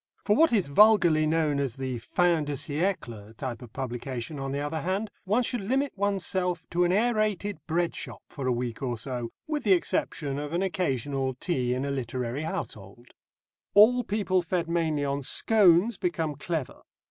For what is vulgarly known as the fin de siècle type of publication, on the other hand, one should limit oneself to an aërated bread shop for a week or so, with the exception of an occasional tea in a literary household. All people fed mainly on scones become clever.